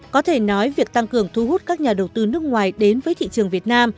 có thể nói việc tăng cường thu hút các nhà đầu tư nước ngoài đến với thị trường việt nam